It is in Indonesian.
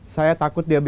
saya takut dia berubah